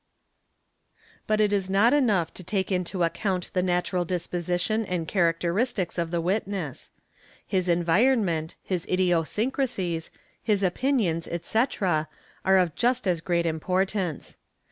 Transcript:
But it is not enough to take into account the natural disposition and 7 characteristics of the witness; his environment, his idiosyncrasies, his opinions, &ec., are of just as great importance.